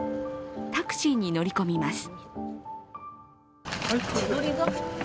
タクシーに乗り込みます。